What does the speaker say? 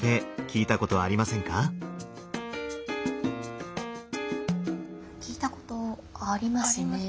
聞いたことありますね